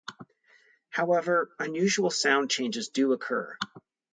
However, unusual sound changes do occur.